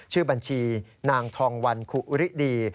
ชื่อบัญชีนางทองวันคุริดี